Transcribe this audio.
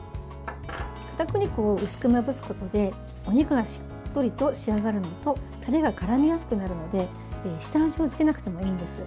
かたくり粉を薄くまぶすことでお肉がしっとりと仕上がるのとタレがからみやすくなるのでソースをつけなくていいんですよ。